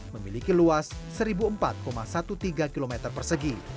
memiliki luas satu empat tiga belas km persegi